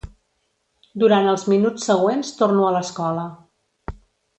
Durant els minuts següents torno a l'escola.